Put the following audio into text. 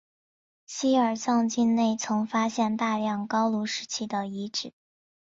巴尔藏境内曾发现大量高卢时期的遗址。